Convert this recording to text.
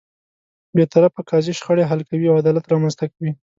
بېطرفه قاضی شخړې حل کوي او عدالت رامنځته کوي.